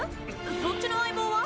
そっちの相棒は？